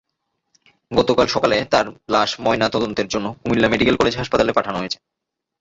গতকাল সকালে তাঁর লাশ ময়নাতদন্তের জন্য কুমিল্লা মেডিকেল কলেজ হাসপাতালে পাঠানো হয়েছে।